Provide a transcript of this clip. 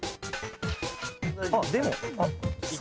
あっでも。